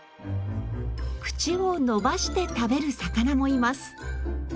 口を伸ばして食べる魚もいます。